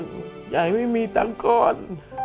อย่าให้ไม่มีตังค์ก่อน